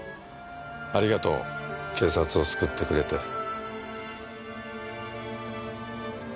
ありがとう警察を救ってくれて。